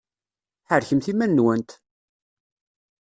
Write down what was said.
Ḥerrkemt iman-nwent!